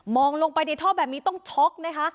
ลงไปในท่อแบบนี้ต้องช็อกนะคะ